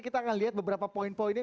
kita akan lihat beberapa poin poinnya